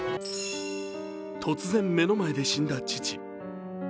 突然、目の前で死んだ父。